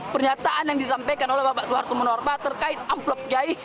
pernyataan yang disampaikan oleh bapak suharto monorma terkait amplop kiai